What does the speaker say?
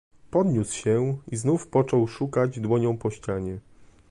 "Podniósł się i znów począł szukać dłonią po ścianie."